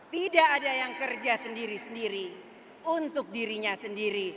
tidak ada yang kerja sendiri sendiri untuk dirinya sendiri